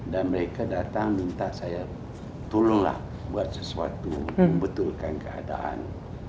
dan mereka datang minta saya tolonglah buat sesuatu membetulkan keadaan